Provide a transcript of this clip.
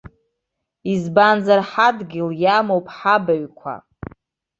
Избанзар ҳадгьыл иамоуп ҳабаҩқәа.